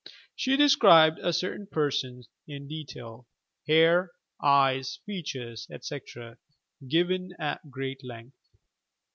She described a certain person in detail — hair, eyes, features, etc., given at great length.